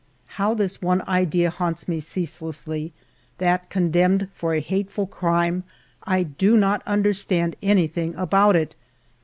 How this one idea haunts me ceaselessly, that, condemned for a hateful crime, I do not under stand anything about it